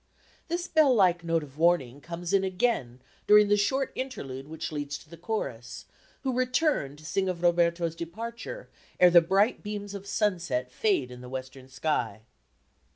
This bell like note of warning comes in again during the short interlude which leads to the chorus, who return to sing of Roberto's departure ere the bright beams of sunset fade in the western sky.